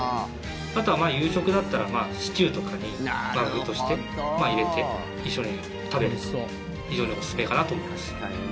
あとは、夕食だったらシチューとかに具として入れて一緒に食べると非常におすすめかなと思います。